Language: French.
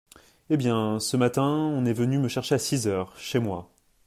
Eh bien, ce matin, on est venu me chercher à six heures… chez moi…